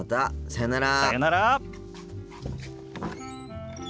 さよなら。